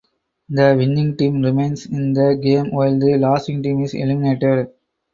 The winning team remains in the game while the losing team is eliminated.